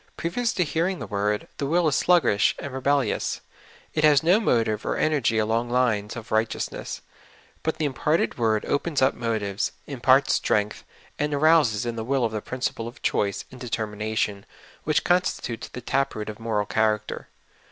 Previous to hearing the word, the w^ll is sluggish and rebel lious ; it has no motive or energy along lines of right eousness ; but the imparted word opens up motives, imparts strength, and arouses in the will the principle of choice and determination, w^hich constitutes the tap root of moral character.